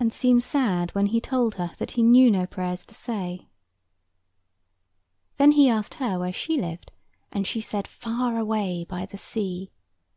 and seemed sad when he told her that he knew no prayers to say. Then he asked her where she lived, and she said far away by the sea.